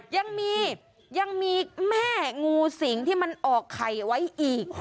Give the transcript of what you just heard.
ยังมียังมีแม่งูสิงที่มันออกไข่ไว้อีก